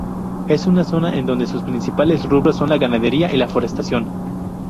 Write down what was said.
Es una zona en donde sus principales rubros son la ganadería y la forestación.